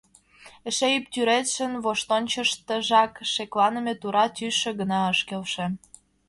Эше ӱп тӱредшын воштончышыштыжак шекланыме тура тӱсшӧ гына ыш келше.